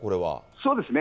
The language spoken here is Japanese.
そうですね。